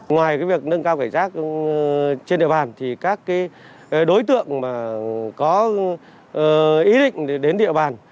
ngoài việc nâng cao cảnh giác trên địa bàn thì các đối tượng có ý định đến địa bàn